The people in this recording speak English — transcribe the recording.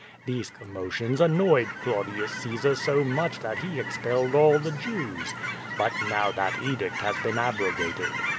These commotions annoyed Claudius Caesar so much that he expelled all the Jews. But now that edict has been abrogated.